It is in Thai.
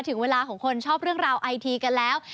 ถึงเวลาของคนชอบเรื่องราวไอทีกันแล้ว